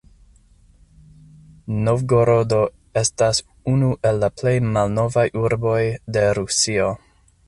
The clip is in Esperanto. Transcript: Novgorodo estas unu el la plej malnovaj urboj de Rusio.